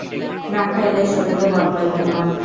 না খাইলে শরীরে বল পাইবেন না।